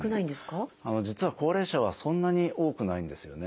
実は高齢者はそんなに多くないんですよね。